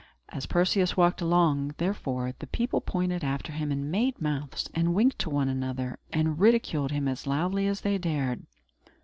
As Perseus walked along, therefore, the people pointed after him, and made mouths, and winked to one another, and ridiculed him as loudly as they dared.